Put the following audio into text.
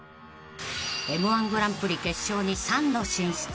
［Ｍ−１グランプリ決勝に３度進出］